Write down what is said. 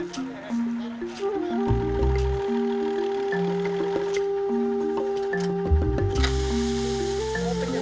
dipin dalam trakrut banknya